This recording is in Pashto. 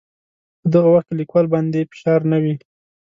په دغه وخت کې لیکوال باندې فشار نه وي.